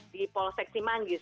di pol seksi manggis